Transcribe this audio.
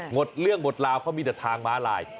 หมดเรื่องหมดลาวเพราะมีแต่ทางม้าลาย